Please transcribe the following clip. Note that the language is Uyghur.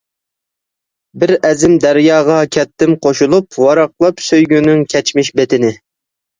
بىر ئەزىم دەرياغا كەتتىم قوشۇلۇپ، ۋاراقلاپ سۆيگۈنىڭ كەچمىش بېتىنى.